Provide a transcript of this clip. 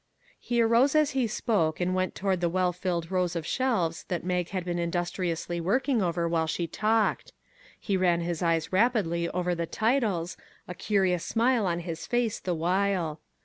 He arose as he spoke, and went toward the well filled rows of shelves that Mag had been industriously working over while she talked. He ran his eyes rapidly over the titles, a curious smile on his face the while.